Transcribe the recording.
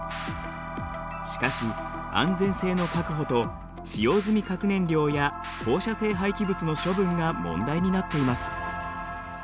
しかし安全性の確保と使用済み核燃料や放射性廃棄物の処分が問題になっています。